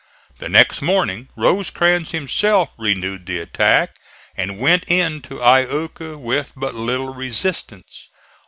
The next morning Rosecrans himself renewed the attack and went into Iuka with but little resistance.